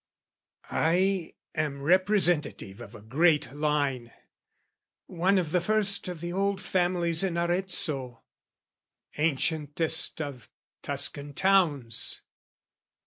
I am representative of a great line, One of the first of the old families In Arezzo, ancientest of Tuscan towns.